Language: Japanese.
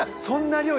そんな。